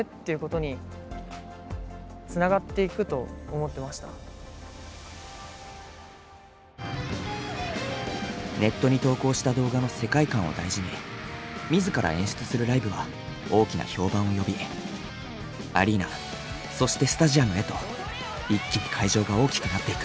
いろんな大きなことができてネットに投稿した動画の世界観を大事に自ら演出するライブは大きな評判を呼びアリーナそしてスタジアムヘと一気に会場が大きくなっていく。